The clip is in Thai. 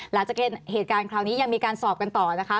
หลังจากเหตุการณ์คราวนี้ยังมีการสอบกันต่อนะคะ